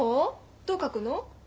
どう書くの？